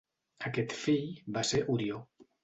Aquest fill va ser Orió.